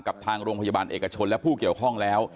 กับทางโรงพยาบาลเอกชนและผู้เกี่ยวข้องแล้ว